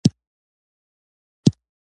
بله ورځ د پیسو نشتون دوی اندیښمن کړل